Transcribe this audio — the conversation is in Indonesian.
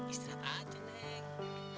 istirahat aja neng